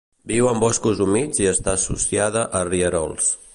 Viu en boscos humits i està associada a rierols.